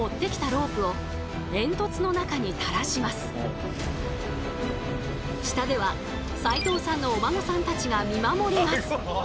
持ってきた下では齋藤さんのお孫さんたちが見守ります。